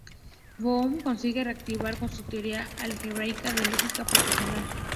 Boole consigue reactivar con su teoría algebraica la lógica proposicional.